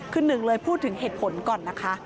คือหนึ่งเลยพูดถึงเหตุผลก่อนนะคะ